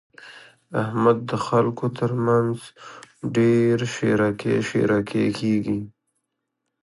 احمد د خلګو تر مخ ډېر شېرکی شېرکی کېږي.